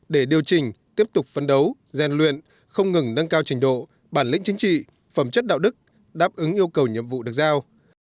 để điều chỉnh tiếp tục phấn đấu gian luyện không ngừng nâng cao trình độ bản lĩnh chính trị phẩm chất đạo đức đáp ứng yêu cầu nhiệm vụ được giao